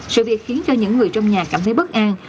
sự việc khiến cho những người trong nhà cảm thấy bất an